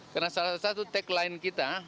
karena salah satu tagline kita